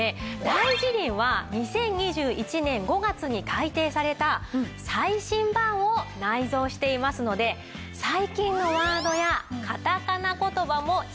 『大辞林』は２０２１年５月に改訂された最新版を内蔵していますので最近のワードやカタカナ言葉もしっかりとヒットします。